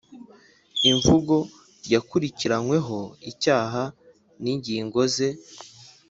Imvugo y ukurikiranyweho icyaha n ingingo ze